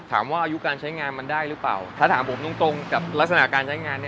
อายุการใช้งานมันได้หรือเปล่าถ้าถามผมตรงตรงกับลักษณะการใช้งานนี้